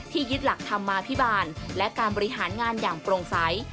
ยึดหลักธรรมาภิบาลและการบริหารงานอย่างโปร่งใส